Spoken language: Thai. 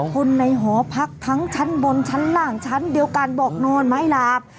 คนในหอพักทั้งชั้นบนชั้นล่างชั้นเดียวกันบอกนอนไม้หลาบ